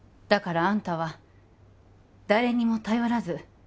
「だからあんたは誰にも頼らず」